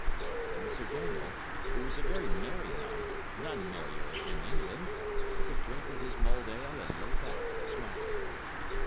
And Sir Daniel, who was a very merry knight, none merrier in England, took a drink of his mulled ale, and lay back, smiling.